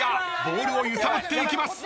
［ボールを揺さぶっていきます］